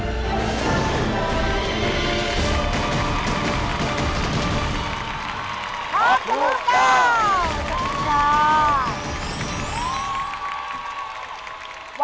พร้อมจำนวนเก้าสวัสดีครับ